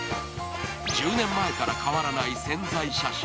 １０年前から変わらない宣材写真。